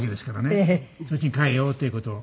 そっちに変えようという事を。